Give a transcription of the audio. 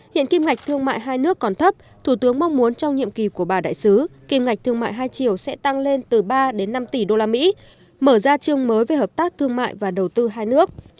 hiện kim ngạch thương mại hai nước còn thấp thủ tướng mong muốn trong nhiệm kỳ của bà đại sứ kim ngạch thương mại hai triệu sẽ tăng lên từ ba đến năm tỷ usd mở ra chương mới về hợp tác thương mại và đầu tư hai nước